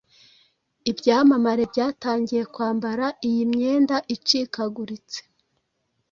Ibyamamare byatangiye kwambara iyi myenda icikaguritse